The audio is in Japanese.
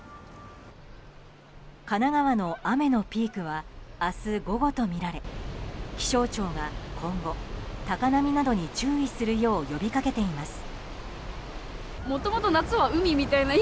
神奈川の雨のピークは明日午後とみられ気象庁が今後、高波などに注意するよう呼び掛けています。